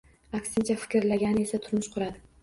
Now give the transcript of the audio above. Aksincha, fikrlagani esa turmush quradi